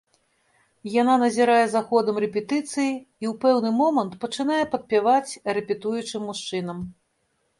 Яна назірае за ходам рэпетыцыі, і ў пэўны момант пачынае падпяваць рэпетуючым мужчынам.